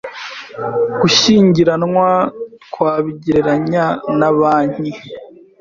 Gushyingiranwa twabigereranya na banki